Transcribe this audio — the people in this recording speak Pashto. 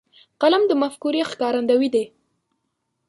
قلم د مفکورې ښکارندوی دی.